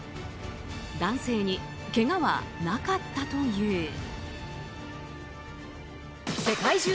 男性にけがはなかったという。